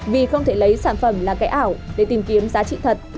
vì không thể lấy sản phẩm là cái ảo để tìm kiếm giá trị thật